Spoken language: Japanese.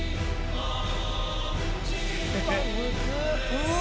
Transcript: うわ！